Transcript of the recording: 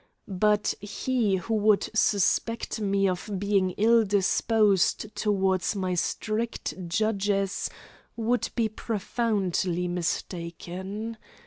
But he who would suspect me of being ill disposed toward my strict judges would be profoundly mistaken.